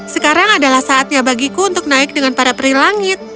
sekarang adalah saatnya bagiku untuk naik dengan para perih langit